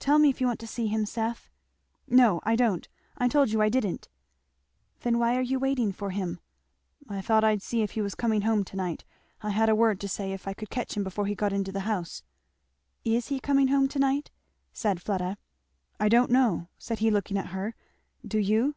"Tell me if you want to see him, Seth." "No I don't I told you I didn't." "Then why are you waiting for him?" "I thought I'd see if he was coming home to night I had a word to say if I could catch him before he got into the house." "Is he coming home to night?" said Fleda. "I don't know!" said he looking at her. "Do you?"